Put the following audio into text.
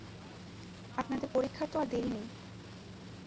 আপনাদের পরীক্ষার আর তো দেরি নেই।